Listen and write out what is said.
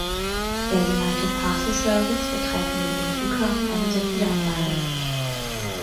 Der United Parcel Service betreibt neben dem Flughafen eine Sortieranlage.